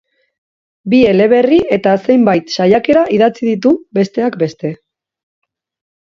Bi eleberri eta zenbait saiakera idatzi ditu, besteak beste.